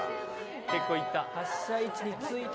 結構行った。